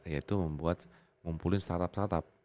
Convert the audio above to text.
yaitu membuat ngumpulin startup startup